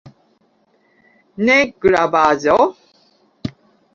Ne gravaĵo?